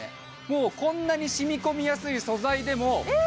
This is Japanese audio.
もうこんなにしみ込みやすい素材でもえ！